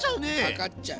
かかっちゃう。